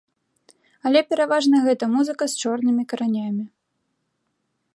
Але пераважна гэта музыка з чорнымі каранямі.